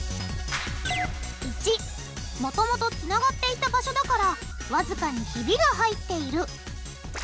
①もともとつながっていた場所だからわずかにひびが入っている。